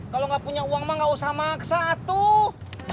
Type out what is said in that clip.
kalo gak punya uang mah gak usah maksa atuh